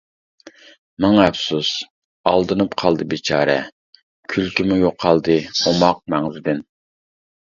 مىڭ ئەپسۇس، ئالدىنىپ قالدى بىچارە، كۈلكىمۇ يوقالدى ئوماق مەڭزىدىن.